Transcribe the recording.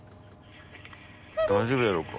大丈夫やろうか？